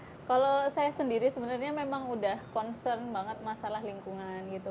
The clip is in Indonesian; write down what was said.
ya kalau saya sendiri sebenarnya memang udah concern banget masalah lingkungan gitu